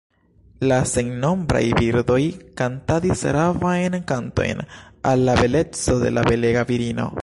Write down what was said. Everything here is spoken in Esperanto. La sennombraj birdoj kantadis ravajn kantojn al la beleco de la belega virino.